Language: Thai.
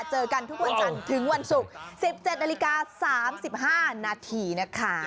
เจอกันทุกวันจันทร์ถึงวันศุกร์๑๗นาฬิกา๓๕นาทีนะคะ